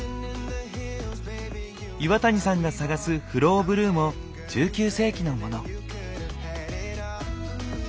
岩谷さんが探すフローブルーも１９世紀のモノ。